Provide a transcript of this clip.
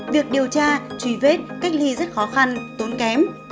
việc điều tra truy vết cách ly rất khó khăn tốn kém